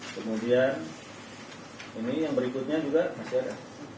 kemudian ini yang berikutnya juga masih ada